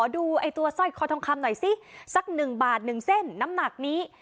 ดูไอ้ตัวสร้อยคอทองคำหน่อยสิสัก๑บาท๑เส้นน้ำหนักนี้